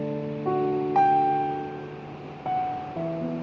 apalagi mencuci ada satu